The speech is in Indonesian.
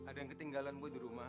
iya ada yang ketinggalan bu juga ya